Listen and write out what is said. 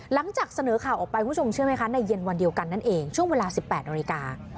หลังจากเสนอข่าวออกไปคุณผู้ชมเชื่อไหมคะในเย็นวันเดียวกันนั่นเองช่วงเวลา๑๘นาฬิกา